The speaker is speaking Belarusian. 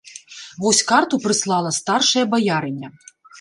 Вось карту прыслала старшая баярыня.